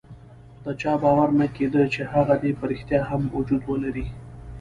خو د چا باور نه کېده چې هغه دې په ريښتیا هم وجود ولري.